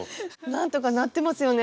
なんとかなってますよね